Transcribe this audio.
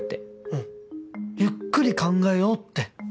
うんゆっくり考えようって。